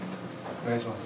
お願いします。